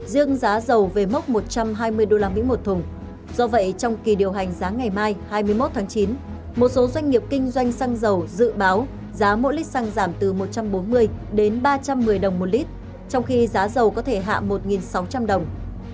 riêng giá dầu về mốc một trăm hai mươi usd một thùng do vậy trong kỳ điều hành giá ngày mai hai mươi một tháng chín một số doanh nghiệp kinh doanh xăng dầu dự báo giá mỗi lít xăng giảm từ một trăm bốn mươi đến ba trăm một mươi đồng một lít trong khi giá dầu có thể hạ một sáu trăm linh đồng